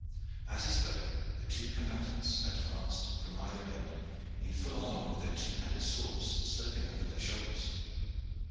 As he spoke, the two combatants advanced from either end in full armor with their two handed swords sloping over their shoulders.